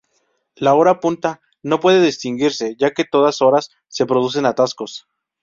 La hora punta no puede distinguirse, ya que a todas horas se producen atascos.